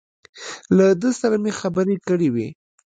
له ده سره مې خبرې کړې وې.